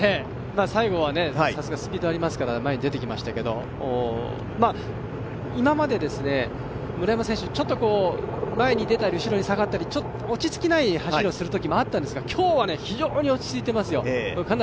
最後はさすがにスピードがありますから前に出てきましたけど今まで村山選手、ちょっと前に出たり後ろに下がったり落ち着きない走りをするときもあったんですが今日は非常に落ち着いていますよ。